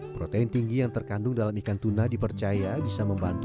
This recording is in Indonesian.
protein tinggi yang terkandung dalam ikan tuna dipercaya bisa membantu